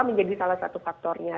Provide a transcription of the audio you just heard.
menjadi salah satu faktornya